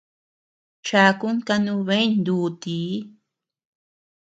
Chakun kanubeñ nuutii.